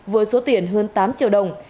với số tiền hơn tám triệu đồng